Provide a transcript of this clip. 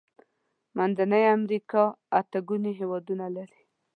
منځنۍ امريکا اته ګونې هيوادونه لري.